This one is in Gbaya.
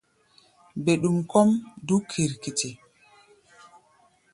Mbɛɗum kɔ́ʼm dúk kirkiti.